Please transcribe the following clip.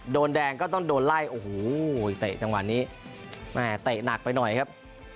โดนแดงก็ต้องโดนไล่โอ้โหเตะจังหวะนี้แม่เตะหนักไปหน่อยครับ